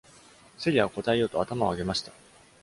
セリアは答えようと頭を上げました。